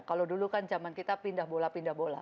kalau dulu kan zaman kita pindah bola pindah bola